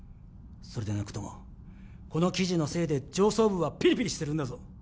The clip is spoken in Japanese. それでなくともこの記事のせいで上層部はピリピリしてるんだぞ